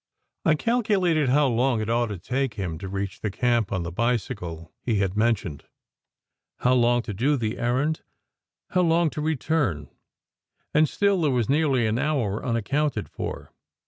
I calculated how long it ought to take him to reach the camp on the bicycle he had men tioned; how long to do the errand; how long to return; and still there was nearly an hour unaccounted for.